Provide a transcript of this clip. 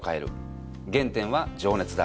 「原点は情熱だ。」